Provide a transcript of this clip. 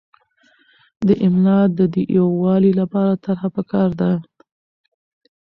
د املاء د یووالي لپاره طرحه پکار ده.